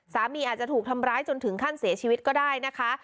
อาจจะถูกทำร้ายจนถึงขั้นเสียชีวิตก็ได้นะคะ